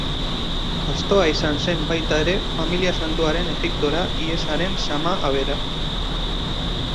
Astoa izan zen baita ere Familia Santuaren Egiptora ihesaren zama-abera.